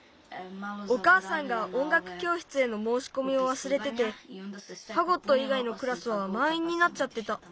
おかあさんがおんがくきょうしつへのもうしこみをわすれててファゴットいがいのクラスはまんいんになっちゃってた。